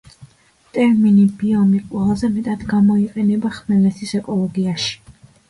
ტერმინი „ბიომი“ ყველაზე მეტად გამოიყენება ხმელეთის ეკოლოგიაში.